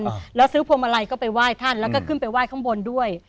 แล้วซื้อพวงมาลัยก็ไปไหว้ท่านแล้วก็ขึ้นไปไหว้ข้างบนด้วย